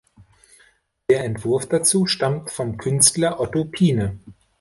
Der Entwurf dazu stammt vom Künstler Otto Piene.